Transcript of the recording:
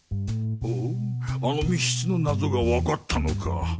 ほおあの密室の謎がわかったのか？